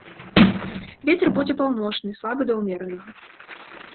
Вецер будзе паўночны, слабы да ўмеранага.